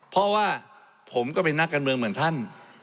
เพราะว่าผมก็เป็นนักการเมืองเหมือนท่าน